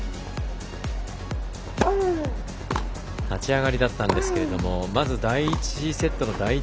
立ち上がりだったんですけれどもまず第１セットの第１